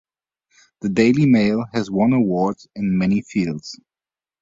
The "Daily Mail" has won awards in many fields.